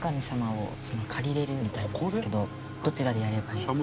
どちらでやればいいですか？